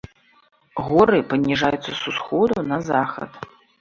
Горы паніжаюцца з усходу на захад.